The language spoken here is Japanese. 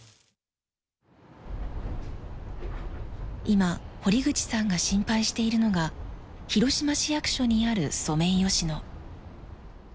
今堀口さんが心配しているのが広島市役所にあるソメイヨシノ。